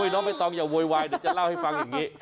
น้องใบตองอย่าโวยวายเดี๋ยวจะเล่าให้ฟังอย่างนี้